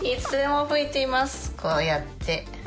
こうやって。